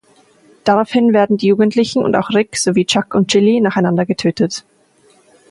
Daraufhin werden die Jugendlichen, und auch Rick sowie Chuck und Chilli, nach einander getötet.